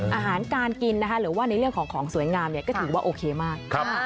อาหารการกินนะคะหรือว่าในเรื่องของของสวยงามก็ถือว่าโอเคมาก